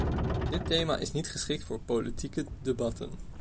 Dit thema is niet geschikt voor politieke debatten.